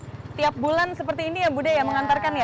ini emang sudah tiap bulan seperti ini ya budaya mengantarkan ya